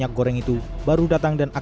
yang batesin siapa